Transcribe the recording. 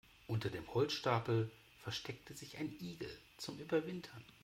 Unter dem Holzstapel versteckte sich ein Igel zum Überwintern.